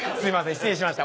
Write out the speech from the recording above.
失礼しました。